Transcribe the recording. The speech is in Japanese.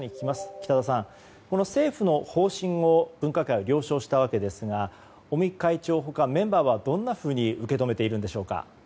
北田さん、政府の方針を分科会は了承したわけですが尾身会長の他メンバーはどんなふうに受け止めているんでしょうか？